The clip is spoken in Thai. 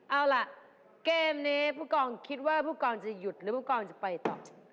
เอาล่ะเกมนี้พูกองคิดว่าพูกองจะหยุดหรือพูกองจะไปต่อ